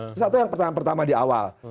itu satu yang pertama di awal